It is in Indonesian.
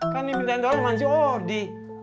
kan ini mintain tolongan si odi